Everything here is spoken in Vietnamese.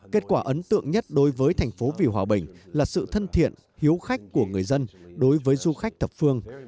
kết quả ấn tượng nhất đối với thành phố vì hòa bình là sự thân thiện hiếu khách của người dân đối với du khách thập phương